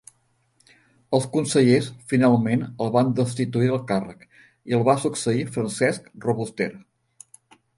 Els consellers finalment el van destituir del càrrec i el va succeir Francesc Robuster.